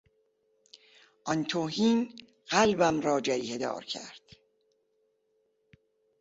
آن توهین قلبم را جریحهدار کرد.